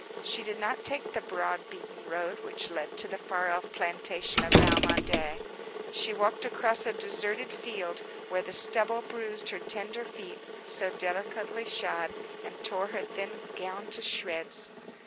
She did not take the broad, beaten road which led to the far off plantation of Valmondé. She walked across a deserted field, where the stubble bruised her tender feet, so delicately shod, and tore her thin gown to shreds.